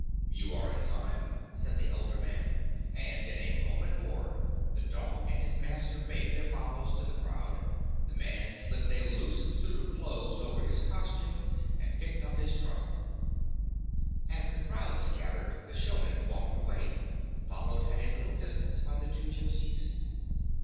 "You are in time," said the older man ; and in a moment more the dog and his master made their bows to the crowd, the man slipped a loose suit of clothes over his costume, and picked up his drum. As the crowd scattered, the show man walked away, followed at a little distance by the two Gypsies.